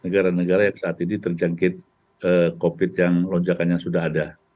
negara negara yang saat ini terjangkit covid yang lonjakannya sudah ada